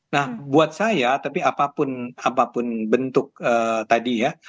nah buat saya tapi apapun bentuk tadi ya